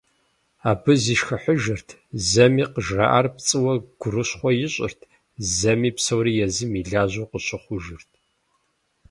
Абы зишхыхьыжырт, зэми къыжраӏар пцӏыуэ гурыщхъуэ ищӀырт, зэми псори езым и лажьэу къыщыхъужырт.